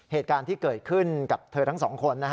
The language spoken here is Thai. เหตุการณ์ที่เกิดขึ้นกับเธอทั้งสองคน